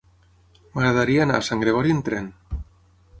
M'agradaria anar a Sant Gregori amb tren.